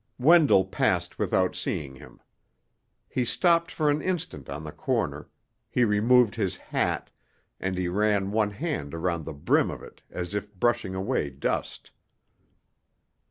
Wendell passed without seeing him. He stopped for an instant on the corner; he removed his hat, and he ran one hand around the brim of it as if brushing away dust.